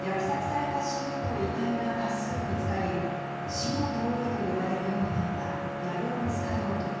虐殺された市民の遺体が多数、見つかり死の通りと呼ばれるようになったヤブロンスカ通り。